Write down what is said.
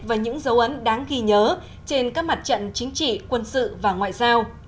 và những dấu ấn đáng ghi nhớ trên các mặt trận chính trị quân sự và ngoại giao